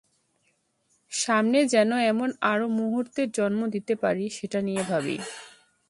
সামনে যেন এমন আরও মুহূর্তের জন্ম দিতে পারি, সেটা নিয়ে ভাবি।